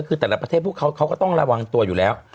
คือแต่ละประเทศพวกเขาเขาก็ต้องระวังตัวอยู่แล้ว